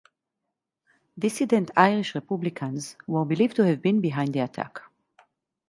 Dissident Irish Republicans were believed to have been behind the attack.